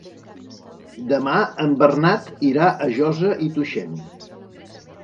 Demà en Bernat irà a Josa i Tuixén.